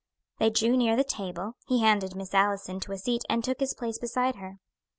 They drew near the table; he handed Miss Allison to a seat and took his place beside her.